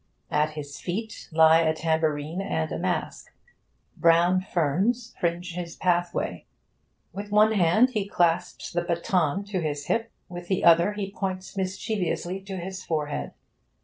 At his feet lie a tambourine and a mask. Brown ferns fringe his pathway. With one hand he clasps the baton to his hip, with the other he points mischievously to his forehead.